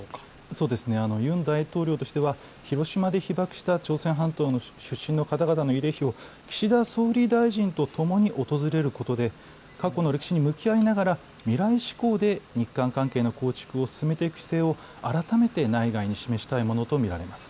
そうですね、ユン大統領としては、広島で被爆した朝鮮半島の出身の方々の慰霊碑を、岸田総理大臣と共に訪れることで、過去の歴史に向き合いながら、未来志向で日韓関係の構築を進めていく姿勢を改めて内外に示したいものと見られます。